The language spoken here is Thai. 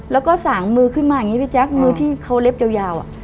แล้วก็สางมือขึ้นมาอย่างนี้พี่แจ๊คมือที่เขาเล็บยาว